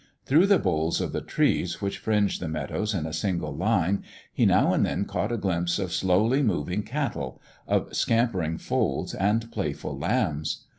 Through the boles of the trees which fringed the meadows in a single line he now and then caught a glimpse of slowly moving cattle, of scamper ing foals and playful lambs.